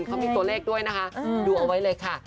เขามีตัวเลขด้วยนะคะดูเอาไว้เลยค่ะ